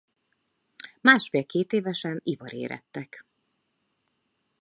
Másfél-kétévesen ivarérettek.